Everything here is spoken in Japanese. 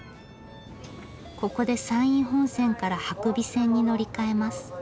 ここで山陰本線から伯備線に乗り換えます。